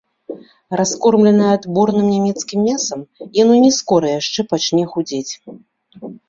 Раскормленае адборным нямецкім мясам, яно не скора яшчэ пачне худзець.